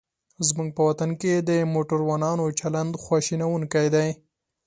زموږ په وطن کې د موټروانانو چلند خواشینوونکی دی.